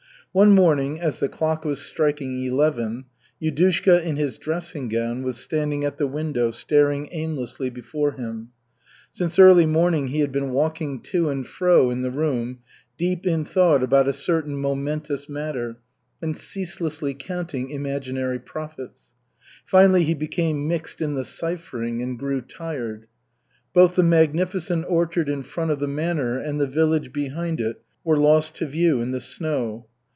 One morning as the clock was striking eleven, Yudushka in his dressing gown was standing at the window staring aimlessly before him. Since early morning he had been walking to and fro in the room, deep in thought about a certain momentous matter, and ceaselessly counting imaginary profits. Finally, he became mixed in the ciphering and grew tired. Both the magnificent orchard in front of the manor and the village behind it were lost to view in the snow.